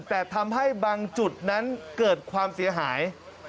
แต่ทำให้บางจุดนั้นเกิดความเสียหาย